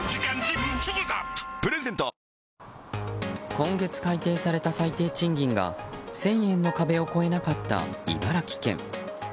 今月改訂された最低賃金が１０００円の壁を越えなかった茨城県。